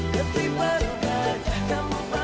ketipan gajah kamu